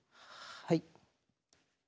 はい。